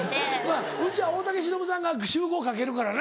うちは大竹しのぶさんが集合かけるからな。